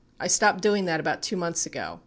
I stopped doing that about two months ago .